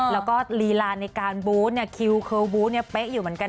แล้วก็ลีลาในการบูธคิวเคอร์บูธเป๊ะอยู่เหมือนกัน